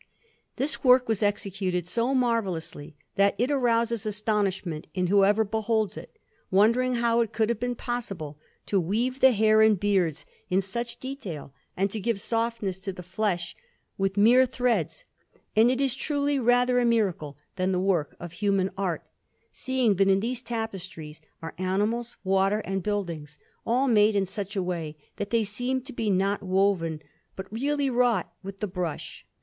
This work was executed so marvellously, that it arouses astonishment in whoever beholds it, wondering how it could have been possible to weave the hair and beards in such detail, and to give softness to the flesh with mere threads; and it is truly rather a miracle than the work of human art, seeing that in these tapestries are animals, water, and buildings, all made in such a way that they seem to be not woven, but really wrought with the brush.